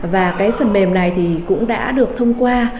và cái phần mềm này thì cũng đã được thông qua